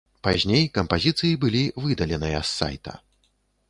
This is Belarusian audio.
Пазней кампазіцыі былі выдаленыя з сайта.